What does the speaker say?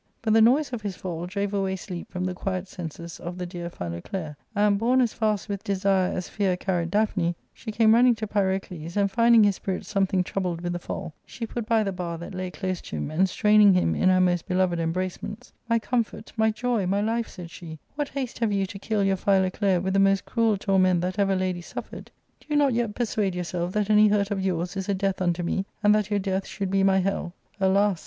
But the noise of his fall drave away sleep from the quiet senses of the dear Philoclea, and, borne as fast with desire as fear carried Daphne, she came running to Pyrocles, and finding his spirits some thing troubled with the fall, she put by the bar that lay close to him, and straining him in her most beloved embracements, " My comfort, my joy, my life," said she, " what haste have you to kill your Philoclea with the most cruel torment that ever lady suffered I Do you not yet persuade yourself that any hurt of yours is a death unto me, and that your death should be my hell ? Alas